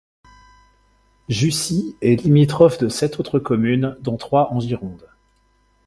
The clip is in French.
Jusix est limitrophe de sept autres communes dont trois en Gironde.